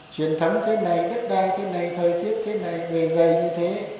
truyền thống thế này đất đai thế này thời tiết thế này người dây như thế